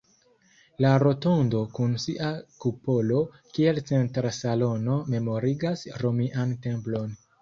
La rotondo kun sia kupolo kiel centra salono memorigas romian templon.